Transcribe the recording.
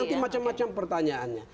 nanti macam macam pertanyaannya